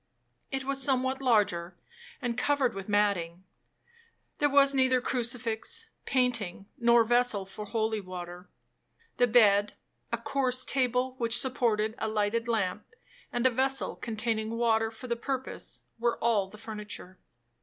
It was somewhat larger, and covered with matting. There was neither crucifix, painting, or vessel for holy water;—the bed, a coarse table which supported a lighted lamp, and a vessel containing water for the purpose, were all the furniture.